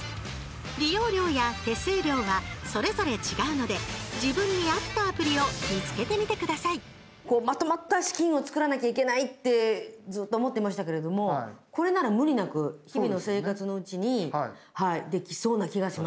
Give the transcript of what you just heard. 利用料や手数料はそれぞれ違うので自分に合ったアプリを見つけてみて下さいまとまった資金を作らなきゃいけないってずっと思ってましたけれどもこれなら無理なく日々の生活のうちにできそうな気がします。